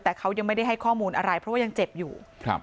แต่เขายังไม่ได้ให้ข้อมูลอะไรเพราะว่ายังเจ็บอยู่